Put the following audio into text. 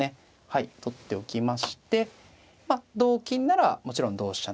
はい取っておきましてまあ同金ならもちろん同飛車